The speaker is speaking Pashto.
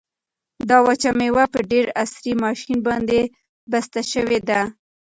دا وچه مېوه په ډېر عصري ماشین باندې بسته شوې ده.